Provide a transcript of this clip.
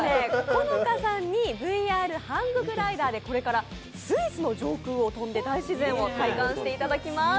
好花さんにＶＲハンググライダーでこれからスイスの上空を飛んで大自然を体感していただきます。